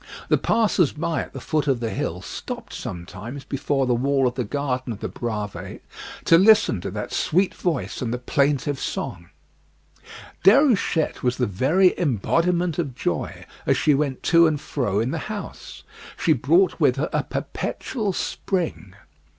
The passers by at the foot of the hill stopped sometimes before the wall of the garden of the Bravées to listen to that sweet voice and plaintive song. Déruchette was the very embodiment of joy as she went to and fro in the house. She brought with her a perpetual spring.